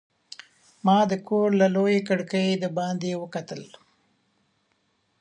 ما د کور له لویې کړکۍ د باندې وکتل.